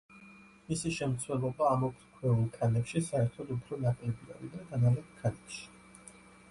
მისი შემცველობა ამოფრქვეულ ქანებში საერთოდ უფრო ნაკლებია, ვიდრე დანალექ ქანებში.